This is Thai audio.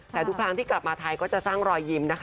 แต่ทุกครั้งที่กลับมาไทยก็จะสร้างรอยยิ้มนะคะ